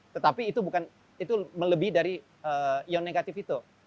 tetapi itu bukan itu melebih dari ion negatif itu